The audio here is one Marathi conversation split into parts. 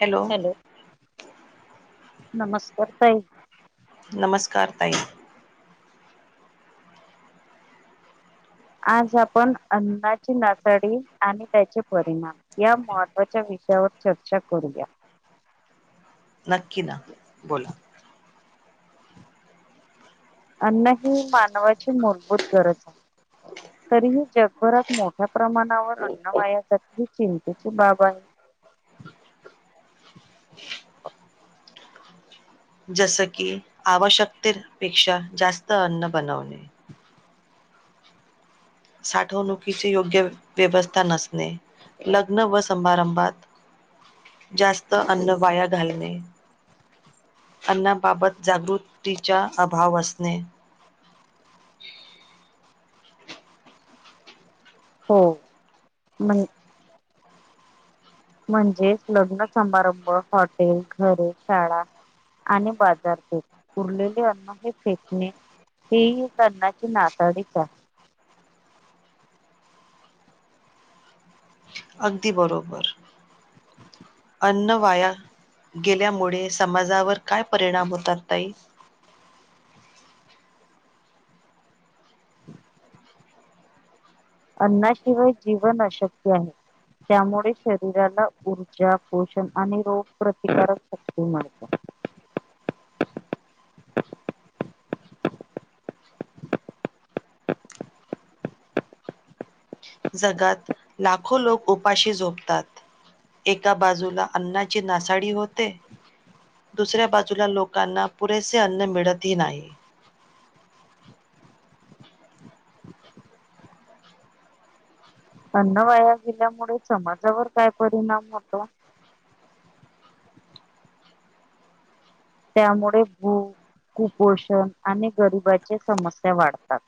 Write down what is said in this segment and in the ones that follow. हॅलो नमस्कार ताई नमस्कार ताई आज आपण अन्नाची नासाडी आणि त्याचे परिणाम या महत्त्वाच्या विषयावर चर्चा करूया नक्की ना बोला अन्न ही मानवाची मूलभूत गरज आहे तरीही जगभरात मोठ्या प्रमाणावर अन्न वायासाठी ह चिंतेची बाब आहे जस की आवश्यकतेपेक्षा जास्त अन्न बनवणे साठवणुकीची योग्य व्यवस्था नसणे लग्न व समारंभात जास्त अन्न वाया घालणे अन्नाबाबत जागृतीचा अभाव असणे हो पण म्हणजेच लग्न समारंभ, हॉटेल, घरे, शाळा आणि बाजारपेठ उरलेले अन्न हे फेकणे हे एक अन्नाची नासाडीच आहे. अगदी बरोबर अन्न वाया गेल्यामुळे समाजावर काय परिणाम होतात ताई अन्नाशिवाय जीवन अशक्य आहे त्यामुळे शरीराला ऊर्जा पोषण आणि रोग प्रतिकारशक्ती मिळते. जगात लाखो लोक उपाशी झोपतात एका बाजूला अन्नाची नासाडी होते दुसऱ्या बाजूला लोकांना पुरेसे अन्न मिळतही नाही. अन्न वाया गेल्यामुळे समाजावर काय परिणाम होतो? त्यामुळे भूक कुपोषण आणि गरिबांच्या समस्या वाढतात.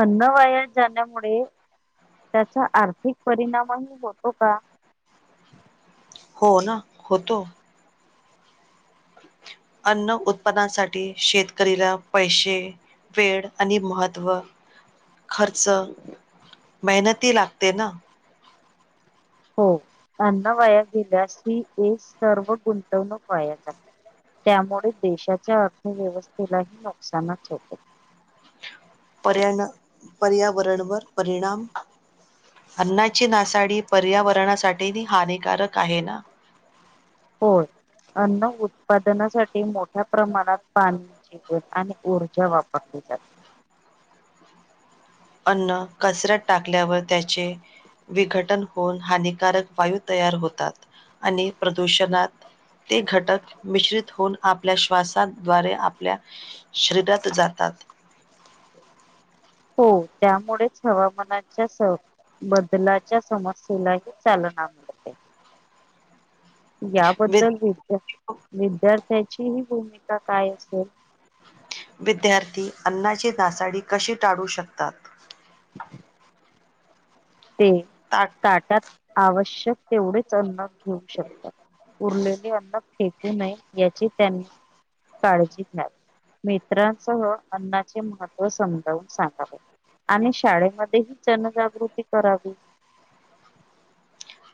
अन्न वाया जाण्यामुळे त्याचा आर्थिक परिणामही होतो का? हो ना होता. अन्न उत्पन्नासाठी शेतकरीला पैसे वेळ आणि महत्त्व खर्च मेहनती लागते ना? हो अन्न वाया गेल्यास ही एक सर्व गुंतवणूक वाया जाते त्यामुळे देशाच्या अर्थव्यवस्थेलाही नुकसानच होतं. पर्या पर्यावरणवर परिणाम अन्नाची नासाडी पर्यावरणासाठी हानिकारक आहे ना? होय अन्न उत्पादनासाठी मोठ्या प्रमाणात पाणी जीवन आणि ऊर्जा वापरली जाते. अन्न कचऱ्यात टाकल्यावर त्याचे विघटन होऊन हानिकारक वायू तयार होतात. आणि प्रदूषणात ते घटक मिश्रित होऊन आपल्या श्वासाद्वारे आपल्या शरीरात जातात. हो त्यामुळेच हवामानाच्या स बदलाच्या समस्येलाही चालना मिळते. याबद्दल विद्या विद- विद्यार्थ्याची भूमिका काय असेल? विद्यार्थी अन्नाची नासाडी कशी टाळू शकतात? [unintelligible] ते ताट ताटात आवश्यक. तेवढेच अन्न. घेऊ शकतात उरलेले अन्न फेकू नये याची- त्यांनी काळजी घ्यावी मित्रांसह अन्नाचे महत्व समजावून सांगावे आणि शाळेमध्येही जनजागृती करावी.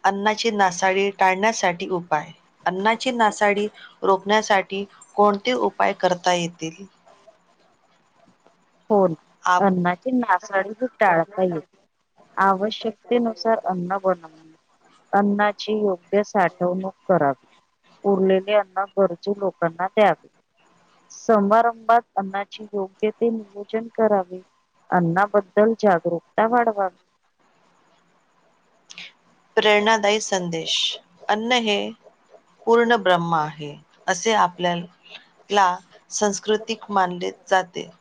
अन्नाची नासाडी टाळण्यासाठी उपाय अन्नाची नासाडी रोखण्यासाठी कोणते उपाय करता येतील? होन आप- अन्नाची नासाडी- टाळता येेते आवश्यकतेनुसार अन्न बनवणे अन्नाची योग्य साठवणूक करावी उरलेले अन्न गरजू लोकांना द्यावे समारंभात अन्नाची योग्य- नियोजन करावे अन्नाबद्दल जागरूकता वाढवावी. प्रेरणादायी संदेश अन्न हे पूर्ण ब्रह्म आहे असे आपल्याला सांस्कृतिक मानले जाते. [inaudible]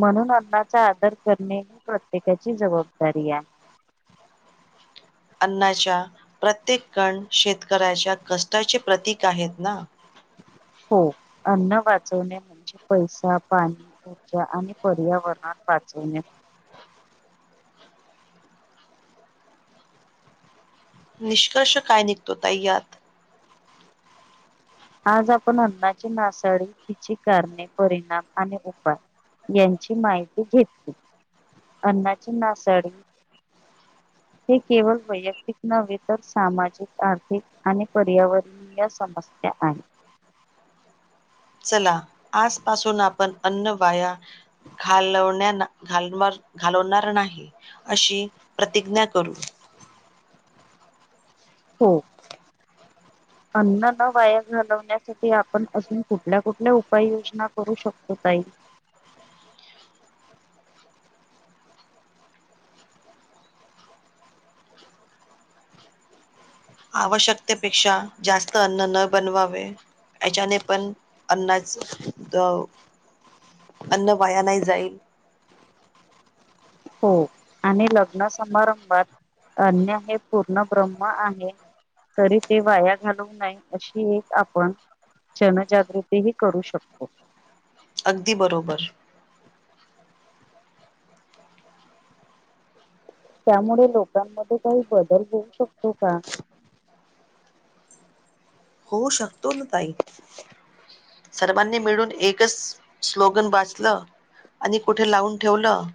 म्हणून अन्नाचा आदर करणे ही प्रत्येकाची जबाबदारी आहे. अन्ना अन्नाच्या प्रत्येक कण शेतकऱ्याच्या कष्टाचे प्रतीक आहेत ना? हो अन्न बाद. वाणे म्हणजे पैसा पाणी ऊर्जा आणि पर्यावरणात वाचवणे. निष्कर्ष काय निघतो ताई यात. आज आपण अन्नाची नासाडी तिची कारणे परिणाम आणि उपाय यांची माहिती घेतली अन्नाची नासाडी, हे केवळ वैयक्तिक नव्हे तर सामाजिक आर्थिक आणि पर्यावरणीय समस्या आहे. चला आजपासून आपण अन्न वाया घाल घालवणार नाही अशी प्रतिज्ञा करू. हो. अन्न न वाया घालवण्यासाठी आपण अजून कुठल्या कुठल्या उपाययोजना करू शकतो ताई. आवश्यकतेपेक्षा जास्त अन्न न बनवावे याच्याने पण अन्नाच अ अन्न वाया नाही जाईल. हो आणि लग्न समारंभात अन्न हे पूर्ण ब्रह्म आहे तरी ते वाया घालवू नये अशी एक आपण जनजागृतीही करू शकतो. अगदी बरोबर. त्यामुळे लोकांमध्ये काही बदल होऊ शकतो का? होऊ शकतो ना ताई, सर्वांनी मिळून एकच स्लोगन वाचलं आणि कुठे लावून ठेवलं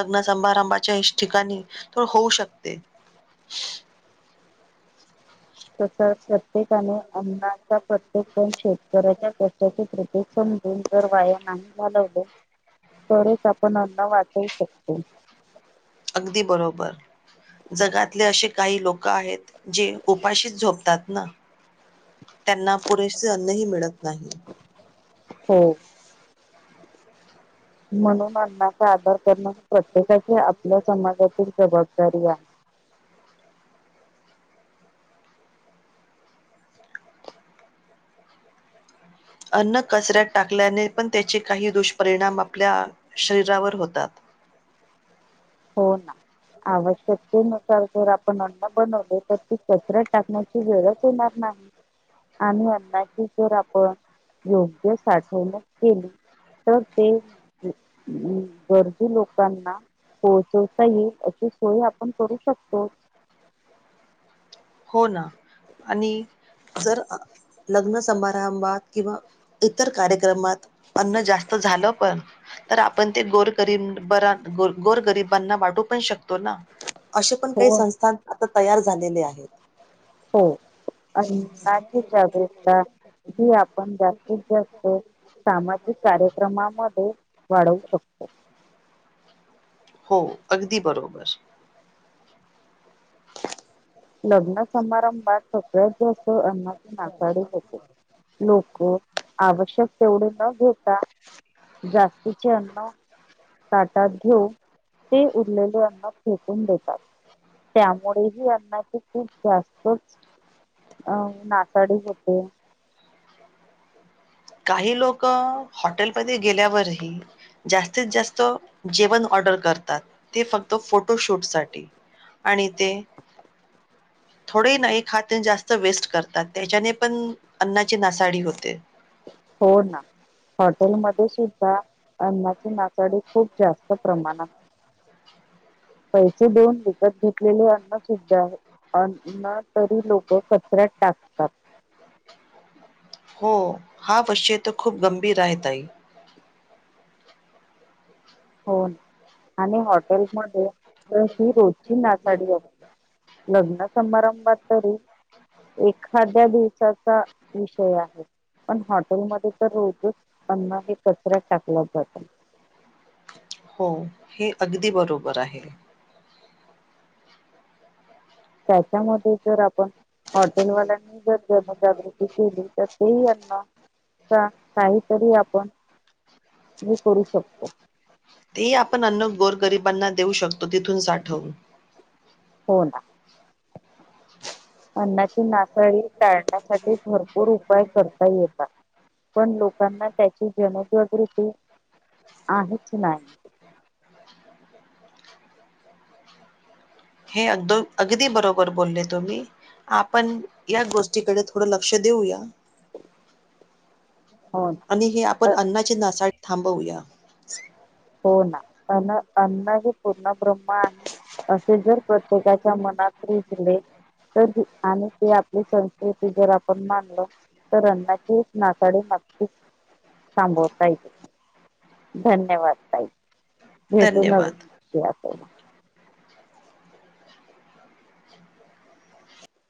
लग्न समारंभाच्या ठिकाणी तर होऊ शकते. तसंच प्रत्येकाने अन्नाचा प्रत्येक कण शेतकऱ्याच्या कष्टाचे प्र ते समजून जर वाया नाही घालवलं. तरच आपण अन्न वाचवू शकतो. अगदी बरोबर. जगातले असे काही लोकं आहेत, जे उपाशीच झोपतात ना. त्यांना पुरेसे अन्नही मिळत नाही. हो. म्हणून अन्नाचा आदर करणं प्रत्येकाची आपल्या समाजातील जबाबदारी आहे. अन्न कचऱ्यात टाकल्याने पण त्याचे काही दुष्परिणाम आपल्या शरीरावर होतात. हो ना, आवश्यकतेनुसार जर आपण अन्न बनवले तर ते कचऱ्यात टाकण्याची वेळंच येणार नाही, आणि अन्नाची जर आपण योग्य साठवणूक केली तर ते गरजू लोकांना पोहोचवता येईल अशी सोय आपण करू शकतो. हो ना. आणि जर लग्न समारंभात किंवा इतर कार्यक्रमात अन्न जास्त झालं पण तर आपण ते गोरगरी गोर गरिबांना वाटू पण शकतो ना. असे पण काही हो संस्थान आता तयार झा झालेले आहेत. हो अन्नाची जागृकता ही आपण जास्तीत जास्त सामाजिक कार्यक्रमामध्ये वाढवू शकतो. हो अगदी बरोबर. लग्न समारंभात सगळ्यात जास्त अन्नाची नासाडी होते, लोकं आवश्यक तेवढे न घेत. जास्तीचे अन्न ताटात घेऊन ते उरलेले अन्न फेकून देतात त्यामुळे ही अन्ना खूप जास्तच अ नासाडी होते. काही लोक हॉटेलमध्ये गेल्यावर जास्तीत जास्त जेवण ऑर्डर करतात ते फक्त फोटोशूट साठी आणि ते थोडे नाही खात आणि जास्त वेस्ट करतात त्याच्याने पण अन्नाची नासाडी होते. हो ना हॉटेलमध्ये सुद्धा अन्नाचे ना नासाडी खूप जास्त प्रमाणात पैसे देऊन विकत घेतलेले अन्नसुद्धा अन्न तरी लोक कचऱ्यात टाकतात. हो हा विषय तर खूप गंभीर आहे ताई हो न आणि हॉटेलमध्ये तर ही रोजची नासाडी असते लग्न समारंभात तरी एखाद्या दिवसाचा विषय आहे, पण हॉटेलमध्ये तर रोजच अन्न हे कचऱ्यात टाकला जातो. हो हे अगदी बरोबर आहे. त्याच्यामध्ये जर आपण हॉटेलवाल्यांनी जर जनजागृती केली तर ते यांना काहीतरी आपण म करू शकतो. तेही आपण अन्न गोर गरिबांना देऊ शकतो तिथून साठवून. हो ना अन्नाची नासाडी टाळण्यासाठी भरपूर उपाय करता येतात पण लोकांना त्याची जनजागृती आहेच नाही हे अगद अगदी बरोबर बोलले तुम्ही आपण या गोष्टीकडे थोडं लक्ष देऊया. हो ना आणि हे आपण अ- अन्नाची नासाडी थांबवूया हो ना अन्न अन्न हे पूर्ण ब्रह्म आहे असे जर प्रत्येकाच्या मनात रुजले तर आणि ते आपली संस्कृती जर आपण मानलं तर अन्नाची नासाडी नक्कीच थांबवता येईल. धन्यवाद! थँकू हेे तू धन्यवाद नवत